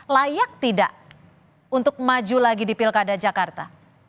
layak tidak untuk maju lagi di pilkada jakarta